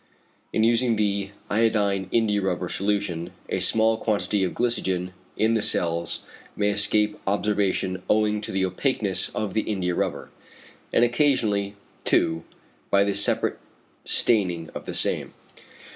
In using the iodine indiarubber solution a small quantity of glycogen in the cells may escape observation owing to the opaqueness of the indiarubber, and occasionally too by the separate staining of the same.